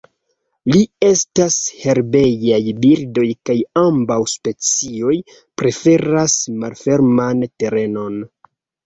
Ili estas herbejaj birdoj kaj ambaŭ specioj preferas malferman terenon.